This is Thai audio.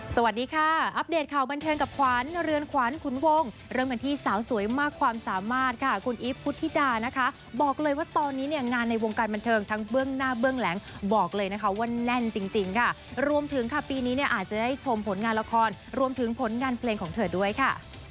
สวัสดีค่ะอัปเดตข่าวบันเทิงกับขวัญเรือนขวัญขุนวงเริ่มกันที่สาวสวยมากความสามารถค่ะคุณอีฟพุทธิดานะคะบอกเลยว่าตอนนี้เนี่ยงานในวงการบันเทิงทั้งเบื้องหน้าเบื้องหลังบอกเลยนะคะว่าแน่นจริงจริงค่ะรวมถึงค่ะปีนี้เนี่ยอาจจะได้ชมผลงานละครรวมถึงผลงานเพลงของเธอด้วยค่ะ